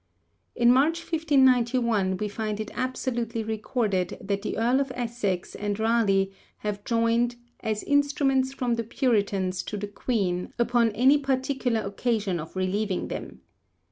In March 1591 we find it absolutely recorded that the Earl of Essex and Raleigh have joined 'as instruments from the Puritans to the Queen upon any particular occasion of relieving them.'